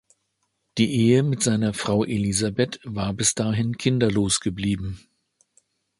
Die Ehe mit seiner Frau Elisabeth war bis dahin kinderlos geblieben.